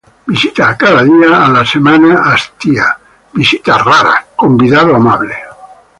Visita cada dia, a la semana hastia. Visita rara, convidado amable.